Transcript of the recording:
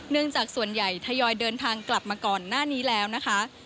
จากส่วนใหญ่ทยอยเดินทางกลับมาก่อนหน้านี้แล้วนะคะ